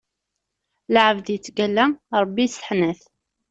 Lɛebd ittgalla, Ṛebbi isseḥnat.